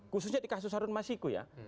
khususnya di kasus harun masiku ya